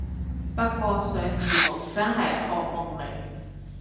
不過上字幕真係惡夢嚟